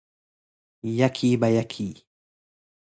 یکی به یکی